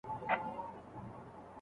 د ازار څخه ډډه کول ولي اړین دي؟